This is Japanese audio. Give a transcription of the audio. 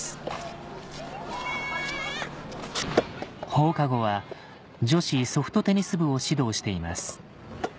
放課後は女子ソフトテニス部を指導しています